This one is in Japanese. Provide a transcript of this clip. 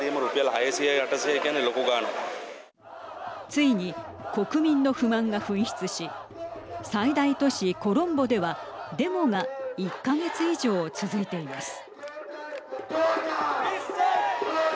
ついに国民の不満が噴出し最大都市コロンボではデモが１か月以上続いています。